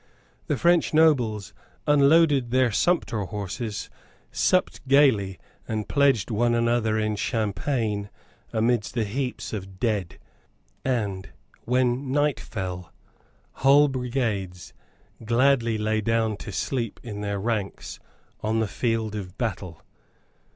The French nobles unloaded their sumpter horses, supped gaily, and pledged one another in champagne amidst the heaps of dead; and, when night fell, whole brigades gladly lay down to sleep in their ranks on the field of battle.